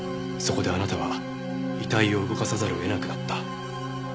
そこであなたは遺体を動かさざるを得なくなった。